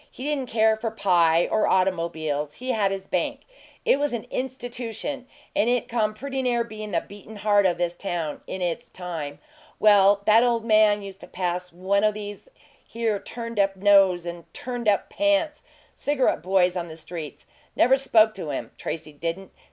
He didn't care for pie or automobiles he had his bank. It was an institution, and it come pretty near bein' the beatin' heart o' this town in its time. Well, that ole man used to pass one o' these here turned up nose and turned up pants cigarette boys on the streets. Never spoke to him, Tracy didn't.